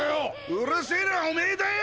うるせえのはおめぇだよ！